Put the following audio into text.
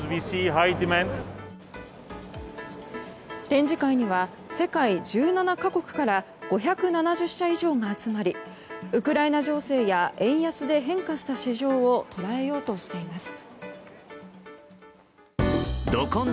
展示会には世界１７か国から５７０社以上が集まりウクライナ情勢や円安で変化した市場を捉えようとしています。